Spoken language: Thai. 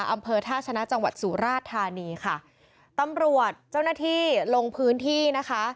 อำเภอท่าชนะจังหวัดสุราชธานีค่ะตำรวจเจ้าหน้าที่ลงพื้นที่นะคะ